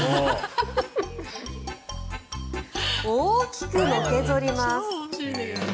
大きくのけ反ります。